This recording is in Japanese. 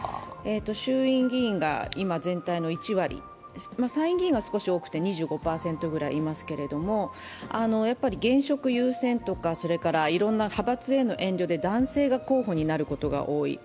衆院議員が今全体の１割、参議院議員は少し多くて２５％ぐらいいますけれども、やっぱり現職優先とかいろんな派閥への遠慮で男性が候補になることが多い。